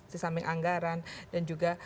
disambing anggaran dan juga